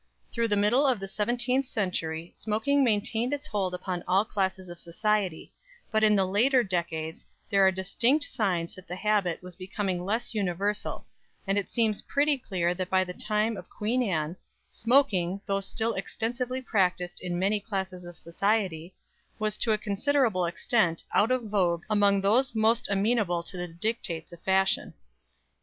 Through the middle of the seventeenth century smoking maintained its hold upon all classes of society, but in the later decades there are distinct signs that the habit was becoming less universal; and it seems pretty clear that by the time of Queen Anne, smoking, though still extensively practised in many classes of society, was to a considerable extent out of vogue among those most amenable to the dictates of Fashion.